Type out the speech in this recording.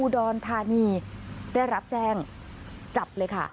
ได้รับแจ้งจับเลยค่ะ